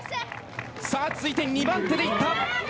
さあ、続いて２番手でいった。